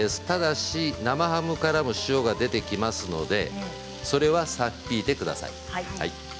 ただし、生ハムからも塩が出てきますのでそれは、さっ引いてください。